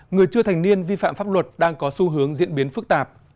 người chưa thành niên vi phạm pháp luật đang có xu hướng diễn biến phức tạp